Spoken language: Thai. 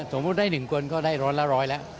สมมุติได้๑คนก็ได้ร้อยละร้อยแล้ว